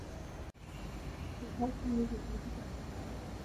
خو هڅې مې بې ګټې پاتې شوې.